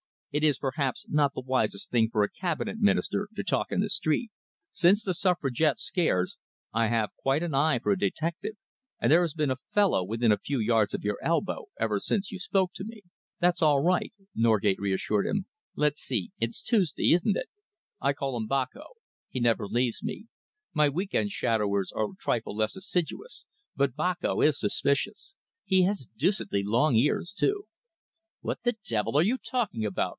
It is perhaps not the wisest thing for a Cabinet Minister to talk in the street. Since the Suffragette scares, I have quite an eye for a detective, and there has been a fellow within a few yards of your elbow ever since you spoke to me." "That's all right," Norgate reassured him. "Let's see, it's Tuesday, isn't it? I call him Boko. He never leaves me. My week end shadowers are a trifle less assiduous, but Boko is suspicious. He has deucedly long ears, too." "What the devil are you talking about?"